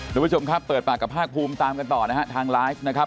ทุกผู้ชมครับเปิดปากกับภาคภูมิตามกันต่อนะฮะทางไลฟ์นะครับ